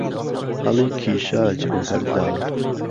ههڵی کيشا جهوهەردار